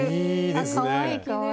あかわいいかわいい。